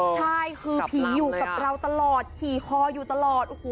ใช่คือผีอยู่กับเราตลอดขี่คออยู่ตลอด